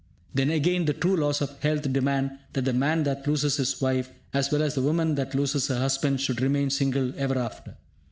Then again, the true laws of health demand that the man that loses his wife, as well as the woman that loses her husband, should remain single ever after.